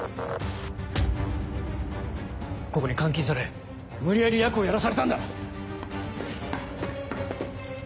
ここに監禁され無理やりヤクをやらされたんだ！